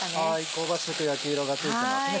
香ばしく焼き色がついてますね。